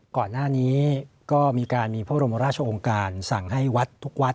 ก่อนหน้านี้ก็มีการมีพระบรมราชองค์การสั่งให้วัดทุกวัด